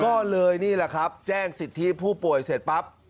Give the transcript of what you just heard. ก็เลยนี่แหละครับแจ้งสิทธิผู้ป่วยเสร็จปั๊บ